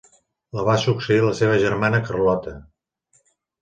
La va succeir la seva germana Carlota.